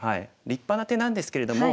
立派な手なんですけれども。